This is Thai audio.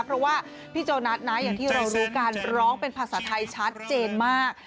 เพราะว่าพี่โจนัสนะอย่างที่เรารู้กันร้องเป็นภาษาไทยชัดเจนมาก